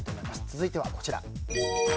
続いては、こちら。